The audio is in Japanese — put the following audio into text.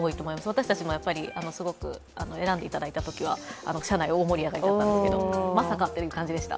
私たちも選んでいただいたときは社内大盛り上がりだったんですがまさかという感じでした。